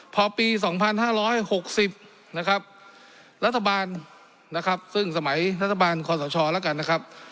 พอปี๒๕๖๐นะครับรัฐบาลนะครับซึ่งสมัยรัฐบาลคอสชแล้วกันนะครับ